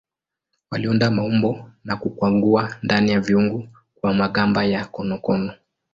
Waliunda maumbo na kukwangua ndani ya viungu kwa magamba ya konokono.